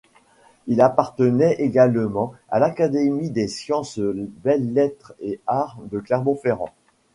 Il appartenait également à l’Académie des sciences, belles-lettres et arts de Clermont-Ferrand.